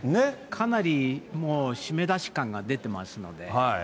かなりもうしめだし感が出てますので。